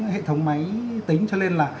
hệ thống máy tính cho nên là